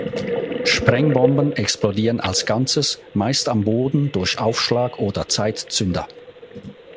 Sprengbomben explodieren „als Ganzes“ meist am Boden durch Aufschlag- oder Zeitzünder.